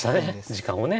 時間をね。